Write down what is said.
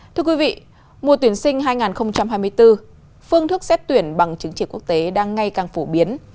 thưa quý vị mùa tuyển sinh hai nghìn hai mươi bốn phương thức xét tuyển bằng chứng chỉ quốc tế đang ngày càng phổ biến